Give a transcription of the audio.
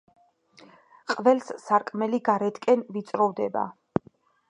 ყველს სარკმელი გარეთკენ ვიწროვდება.